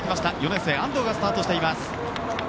４年生、安藤がスタートしています。